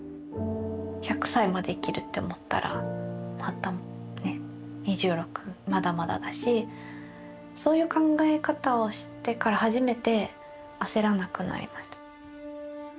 １００歳まで生きるって思ったら２６まだまだだしそういう考え方をしてから初めて焦らなくなりました。